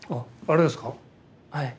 はい。